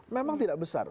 memang tidak besar